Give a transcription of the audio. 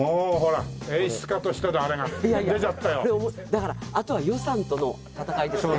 だからあとは予算との闘いですね。